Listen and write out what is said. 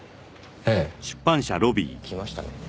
ええ。来ましたね。